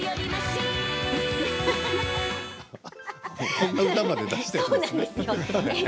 こんな歌まで出しているんですね。